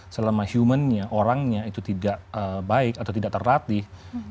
karena human orangnya itu tidak baik atau tidak terlatih